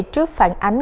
trước phản ánh